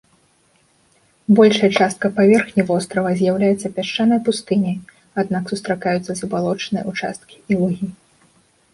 Большая частка паверхні вострава з'яўляецца пясчанай пустыняй, аднак сустракаюцца забалочаныя ўчасткі і лугі.